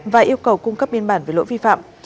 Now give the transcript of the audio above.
và yêu cầu cung cấp biên bản về lỗi vi phạm